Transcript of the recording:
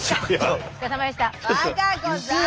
和歌子さん！